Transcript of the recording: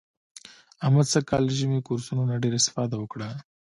احمد سږ کال له ژمني کورسونو نه ډېره اسفاده وکړه.